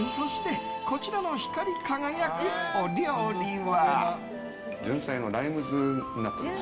そして、こちらの光り輝くお料理は。